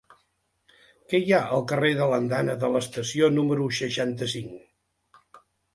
Què hi ha al carrer de l'Andana de l'Estació número seixanta-cinc?